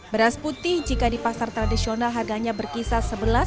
beras putih jika di pasar tradisional harganya berkisar